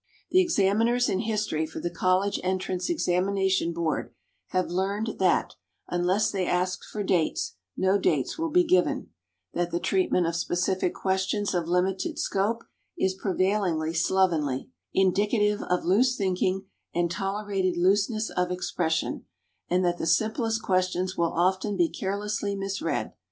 The examiners in history for the College Entrance Examination Board have learned that, unless they ask for dates, no dates will be given; that the treatment of specific questions of limited scope is prevailingly slovenly, indicative of loose thinking and tolerated looseness of expression; and that the simplest questions will often be carelessly misread.